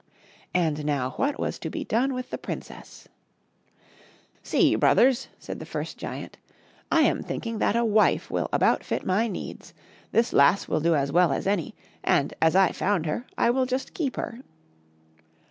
And now what was to be done with the princess ?" See, brothers," said the first giant, " I am thinking that a wife will about fit my needs. This lass will do as well as any, and, as I found her, I will just keep her."